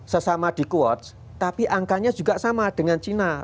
sesama di kuwait tapi angkanya juga sama dengan china lima puluh delapan